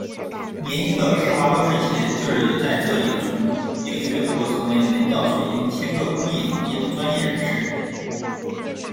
年轻的施华洛世奇就是在这里从一个学徒成为人造水晶切割工艺行业的专业人士。